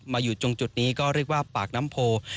อยู่ตรงจุดนี้ก็เรียกว่าปากน้ำโพ